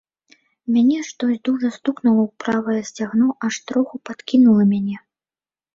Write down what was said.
Мяне штось дужа стукнула ў правае сцягно, аж троху падкінула мяне.